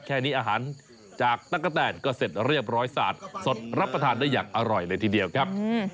แค่นี้อาหารจากตั๊กกะแตนก็เสร็จเรียบร้อยสาดสดรับประทานได้อย่างอร่อยเลยทีเดียวครับ